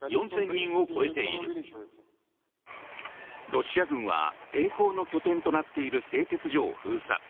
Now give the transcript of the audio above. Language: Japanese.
ロシア軍は抵抗の拠点となっている製鉄所を封鎖。